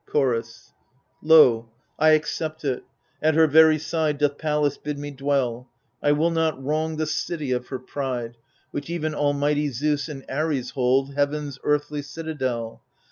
Chorus Lo, I accept it ; at her very side Doth Pallas bid me dwell : I will not wrong the city of her pride, Which even Almighty Zeus and Ares hold Heaven's earthly citadel.